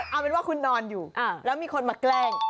เอาเป็นว่าคุณนอนอยู่แล้วมีคนมาแกล้ง